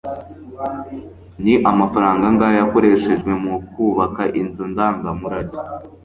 ni amafaranga angahe yakoreshejwe mu kubaka inzu ndangamurage